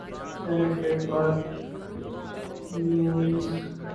Saint Kitts اور Nevis